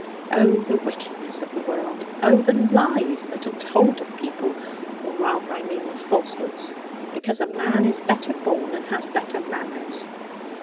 'Oh, the wickedness of the world! Oh, the lies that are told of people or rather I mean the falsehoods because a man is better born, and has better manners!